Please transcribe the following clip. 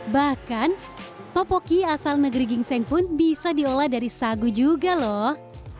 bahkan topoki asal negeri gingseng pun bisa diolah dari sagu juga loh